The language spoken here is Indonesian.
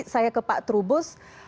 saya ke pak trubus